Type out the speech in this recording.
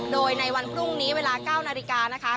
โดยในวันพรุ่งนี้เวลา๙นาฬิกานะคะ